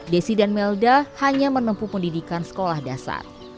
desi dan melda hanya menempuh pendidikan sekolah dasar